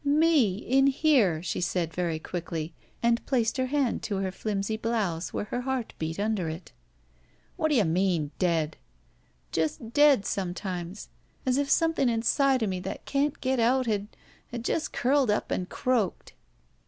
" Me, in here," she said, very quickly, and placed her hand to her flimsy blouse where her heart beat under it. "Whadda you mean, dead?" "Just dead, sometimes — as if something inside of me that can't get out had — ^had just curled up and croaked."